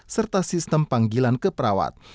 serta sistem panggilan keperawat